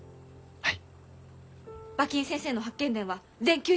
はい。